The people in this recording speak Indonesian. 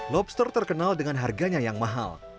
lobster terkenal dengan harganya yang mahal